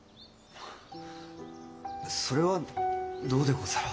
それはどうでござろう。